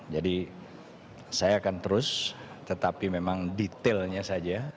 jadi saya akan terus tetapi memang detailnya saja